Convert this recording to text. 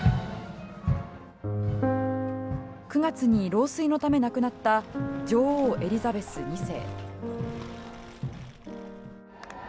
９月に老衰のため亡くなった女王・エリザベス２世。